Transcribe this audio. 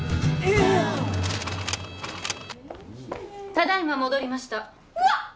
ただ今戻りましたうわっ！